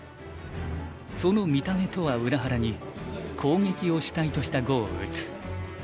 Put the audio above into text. その見た目とは裏腹に攻撃を主体とした碁を打つ。